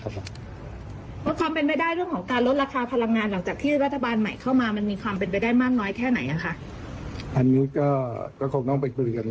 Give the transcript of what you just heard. หลังจากที่รัฐบาลใหม่เข้ามามันมีความเป็นไปได้มากน้อยแค่ไหน